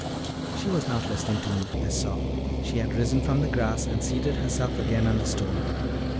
She was not listening to me, I saw: she had risen from the grass and seated herself again on the stone.